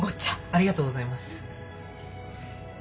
ありがとうございます。